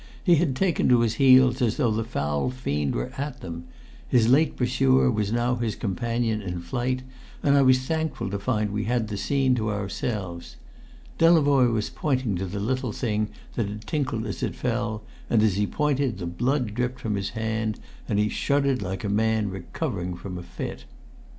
He had taken to his heels as though the foul fiend were at them; his late pursuer was now his companion in flight, and I was thankful to find we had the scene to ourselves. Delavoye was pointing to the little thing that had tinkled as it fell, and as he pointed the blood dripped from his hand, and he shuddered like a man recovering from a fit.